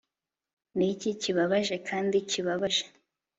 Niki kibabaje kandi kibabaje